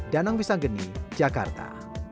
danang bisa geni jakarta